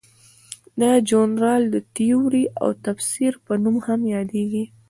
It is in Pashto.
دا ژورنال د تیورۍ او تفسیر په نوم هم یادیږي.